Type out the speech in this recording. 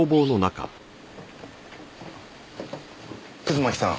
葛巻さん。